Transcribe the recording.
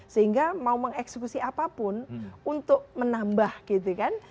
sehingga mau mengeksekusi apapun untuk menambah gitu kan